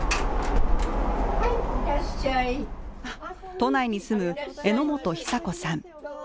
都内に住む榎本久子さん。